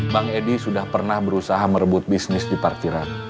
bang edi sudah pernah berusaha merebut bisnis di parkiran